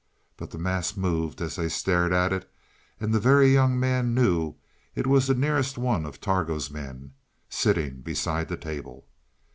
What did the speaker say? But the mass moved as they stared at it, and the Very Young Man knew it was the nearest one of Targo's men, sitting beside the table.